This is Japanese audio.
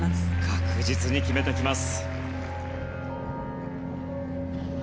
確実に決めてきます。